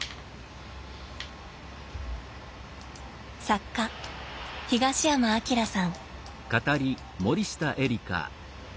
作家東山彰良さん。